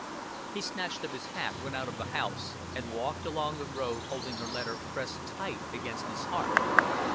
He snatched up his hat, went out of the house, and walked along the road holding her letter pressed tight against his heart.